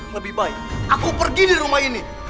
lebih baik aku pergi di rumah ini